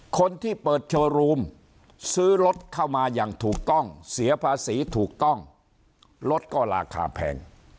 คนที่เปิดโชว์รูมซื้อรถเข้ามาอย่างถูกต้องเสียภาษีถูกต้องรถก็ราคาแพง